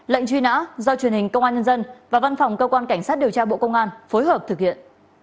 lệnh truy nã do truyền hình công an nhân dân và văn phòng cơ quan cảnh sát điều tra bộ công an phối hợp thực hiện